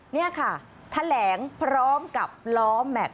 นี่ค่ะแถลงพร้อมกับล้อแม็กซ